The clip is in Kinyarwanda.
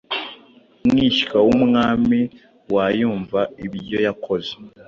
mwishywa wumwami wayumva ibyo yakoze